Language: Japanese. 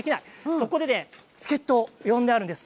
そこで助っ人呼んであるんです。